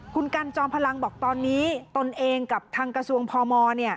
คุณกันจอมพลังบอกตอนนี้ตนเองกับทางกระทรวงพม